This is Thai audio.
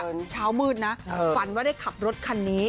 เมื่อเช้ามืดนะฝันก็ได้ขับรถคันนี้